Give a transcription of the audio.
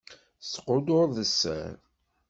Tettqudur d sser.